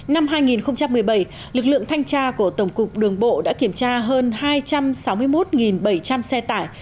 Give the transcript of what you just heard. năm hai nghìn một mươi bảy lực lượng thanh tra của tổng cục đường bộ đã kiểm tra hơn hai trăm sáu mươi một bảy trăm linh xe tải